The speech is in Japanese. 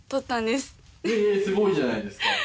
すごいじゃないですか。